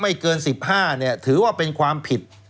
แล้วเขาก็ใช้วิธีการเหมือนกับในการ์ตูน